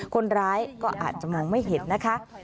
คนร้ายก็อาจจะมองไม่เห็นนะคะ